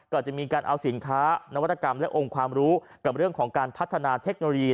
ก็จะมีการเอาสินค้านวัตกรรมและองค์ความรู้กับเรื่องของการพัฒนาเทคโนโลยี